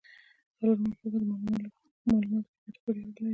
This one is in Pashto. څلورمه پوهه د معلوماتو په ګټه پورې اړه لري.